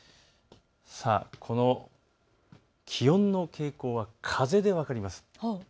この気温の傾向は風で分かります。